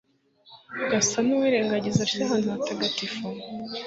agasa n'uwirengagiza atyo ahantu hatagatifu